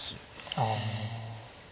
ああ。